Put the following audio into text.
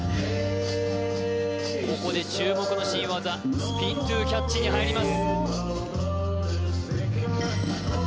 ここで注目の新技スピン・トゥ・キャッチに入ります